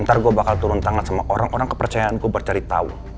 ntar gue bakal turun tangan sama orang orang kepercayaanku bercari tahu